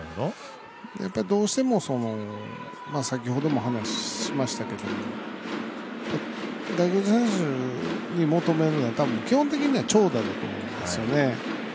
どうしても先ほども話をしましたけど外国人選手に求めるのはたぶん基本的には長打だと思うんですよね。